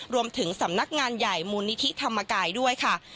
รวมถึงสำนักงานใหญ่มูลนิธิธรรมกายด้วยค่ะ